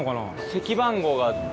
席番号があって。